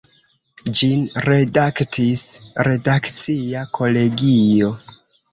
Ĝin redaktis „redakcia kolegio“.